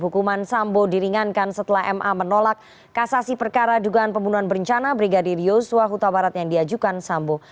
hukuman sambo diringankan setelah ma menolak kasasi perkara dugaan pembunuhan berencana brigadir yosua huta barat yang diajukan sambo